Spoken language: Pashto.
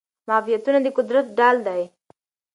معافیتونه د قدرت ډال دي.